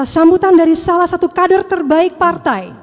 sambutan dari salah satu kader terbaik partai